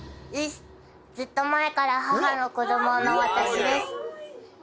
「ずっと前から母の子供の私です」